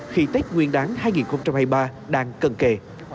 khi tết nguyên đáng hai nghìn hai mươi ba đang cần kể